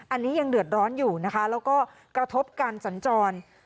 อันนี้ยังเดือดร้อนอยู่นะคะแล้วก็กระทบการสัญจร